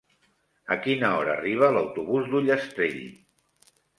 A quina hora arriba l'autobús d'Ullastrell?